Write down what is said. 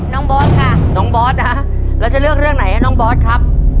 น้องบอสค่ะน้องบอสนะแล้วจะเลือกเรื่องไหนให้น้องบอสครับ